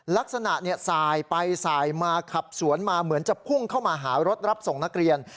ลักษณะสายไปสายมาขับสวนมาเหมือนจะพุ่งเข้ามาหารถรับส่งนักเรียน